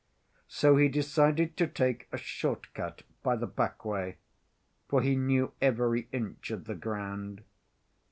So he decided to take a short cut by the back‐way, for he knew every inch of the ground.